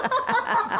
ハハハハ。